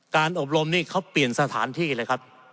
อบรมนี่เขาเปลี่ยนสถานที่เลยครับ